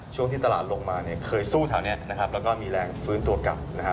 ช่วงที่ตลาดลงมาเคยสู้แถวนี้แล้วก็มีแรงฟื้นตัวกลับ